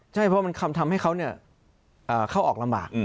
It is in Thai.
ใช่เพราะมันทำให้เขาเข้าออกลำบาก